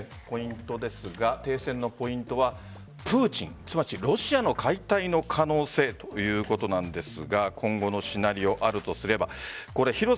ポイントですが停戦のポイントはプーチン・ロシアの解体の可能性ということなんですが今後のシナリオ、あるとすれば。